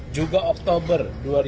juga oktober dua ribu dua puluh